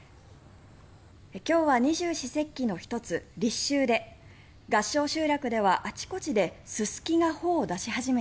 今日は二十四節気の１つ立秋で合掌集落ではあちこちでススキが穂を出し始めています。